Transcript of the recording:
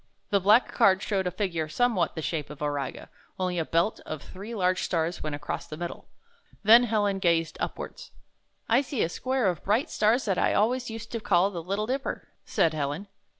The black card showed a figure somewhat the shape of Auriga, only a belt of three large stars went across the middle. Then Helen gazed upwards. 'T see a square of bright stars that I always used to call the Little Dipper," said Helen.